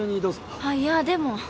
でも。